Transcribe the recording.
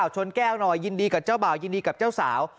ชนแก้วหน่อยยินดีกับเจ้าบ่าวยินดีกับเจ้าสาว